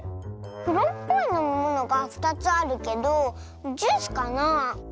くろっぽいのみものが２つあるけどジュースかなあ。